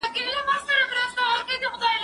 زه مخکي سیر کړی و؟!